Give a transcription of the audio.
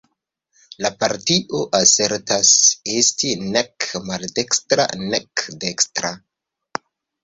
La partio asertas esti nek maldekstra nek dekstra.